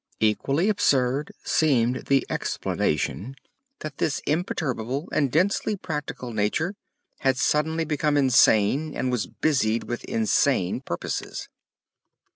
Equally absurd seemed the explanation that this imperturbable and densely practical nature had suddenly become insane and was busied with insane purposes.